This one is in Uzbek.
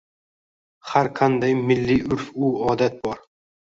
Har qanday milliy urf-u odat bor.